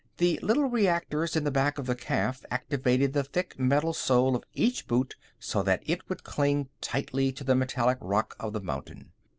The little reactors in the back of the calf activated the thick metal sole of each boot so that it would cling tightly to the metallic rock of the mountain.